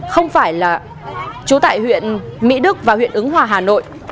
không phải là trú tại huyện mỹ đức và huyện ứng hòa hà nội